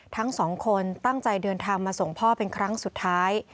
ทั้งสองคนตั้งใจเดินทางมาส่งพ่อเป็นครั้งสุดท้าย